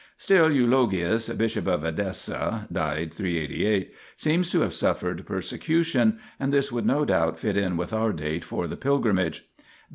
Still Eulogius, bishop of Edessa (j 388), seems to have suffered persecution, and this would no doubt fit in with our date for the pilgrimage.